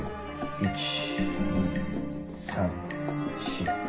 １２３４５。